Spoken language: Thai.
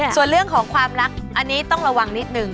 ส่วนเรื่องของความรักอันนี้ต้องระวังนิดนึง